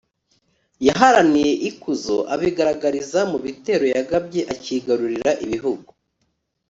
yaharaniye ikuzo abigaragariza mu bitero yagabye akigarurira ibihugu